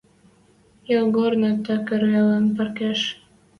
Ялгорны такыр ылын паркыш